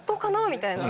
みたいな。